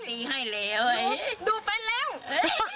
ดูไปเร็ว